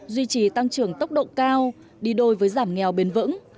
duy trì tăng trưởng tốc độ cao đi đôi với giảm nghèo bền vững